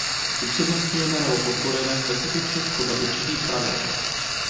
Upřednostňujeme nebo podporujeme specifičnost podle určitých pravidel.